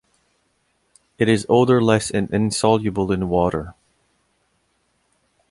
It is odorless and insoluble in water.